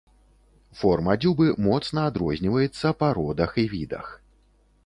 Форма дзюбы моцна адрозніваецца па родах і відах.